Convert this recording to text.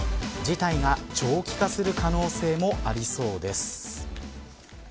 事態が長期化する可能性もありそうです。